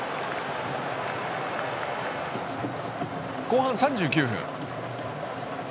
後半３９分。